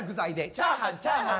チャーハンチャーハン。